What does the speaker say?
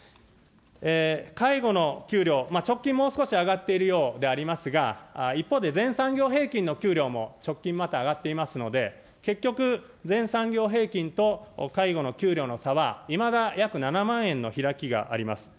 介護の給料、直近もう少し上がっているようですが、一方で全産業平均の給料も直近また上がっていますので、結局、全産業平均と介護の給料の差は、いまだ約７万円の開きがあります。